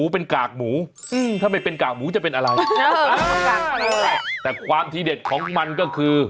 เป็นกากหมูถ้าไม่เป็นกากหมูจะเป็นอะไรแต่ความทีเด็ดของมันก็คือ